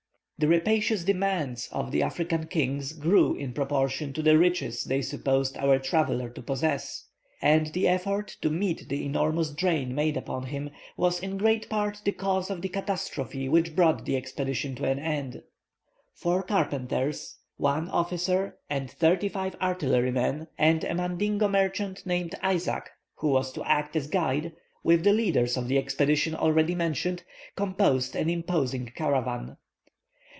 The rapacious demands of the African kings grew in proportion to the riches they supposed our traveller to possess; and the effort to meet the enormous drain made upon him, was in great part the cause of the catastrophe which brought the expedition to an end." Four carpenters, one officer and thirty five artillery men, and a Mandingo merchant named Isaac, who was to act as guide, with the leaders of the expedition already mentioned, composed an imposing caravan.